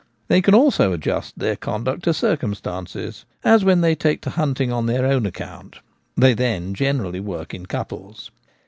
They can also adjust their conduct to cir cumstances, as when they take to hunting on their own account : they then generally work in couples.